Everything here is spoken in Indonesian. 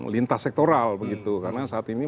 lintas sektoral begitu karena saat ini